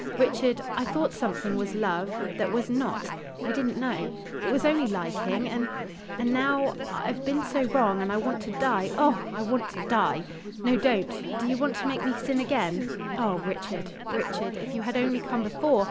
"Richard, I thought something was love that was not I didn't know. It was only liking and and now I I've been so wrong and I want to die Oh, I want to die! No, don't. Do you want to make me sin again? Oh, Richard, Richard! If you had only come before!